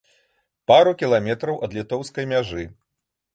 Пару кіламетраў ад літоўскай мяжы.